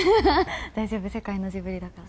大丈夫、世界のジブリだから。